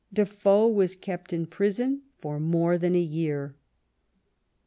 Defoe was kept in prison for more than a year.